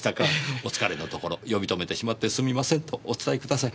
お疲れのところ呼び止めてしまってすみませんとお伝えください。